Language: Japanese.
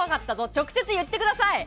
直接言ってください。